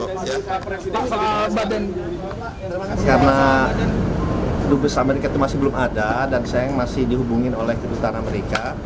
tahun karena lupus amerika masih belum ada dan saya masih dihubungin oleh kebutuhan amerika